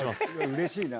うれしいな！